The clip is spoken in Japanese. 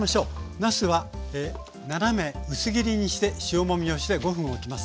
なすは斜め薄切りにして塩もみをして５分おきます。